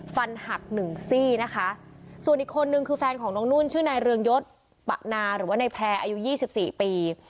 ฟันหักหนึ่งซี่นะคะส่วนอีกคนนึงคือแฟนของน้องนุ่นชื่อนายเรืองยศปะนาหรือว่าในแพร่อายุยี่สิบสี่ปี